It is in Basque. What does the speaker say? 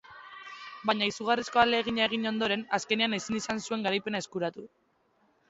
Baina izugarrizko ahalegina egin ondoren, azkenean ezin izan zuen garaipena eskuratu.